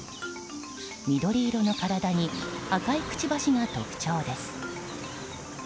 緑色の体に赤いくちばしが特徴です。